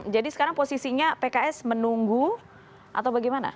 jadi sekarang posisinya pks menunggu atau bagaimana